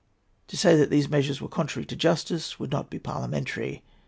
To say that these measures were contrary to justice would not be parliamentary.